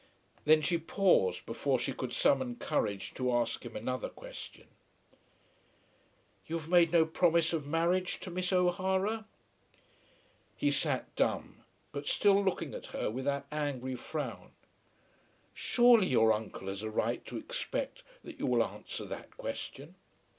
Then she paused before she could summon courage to ask him another question. "You have made no promise of marriage to Miss O'Hara?" He sat dumb, but still looking at her with that angry frown. "Surely your uncle has a right to expect that you will answer that question."